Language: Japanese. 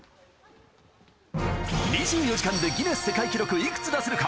２４時間でギネス世界記録いくつ出せるか？